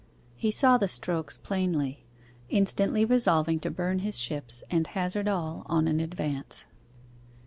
He saw the strokes plainly, instantly resolving to burn his ships and hazard all on an advance.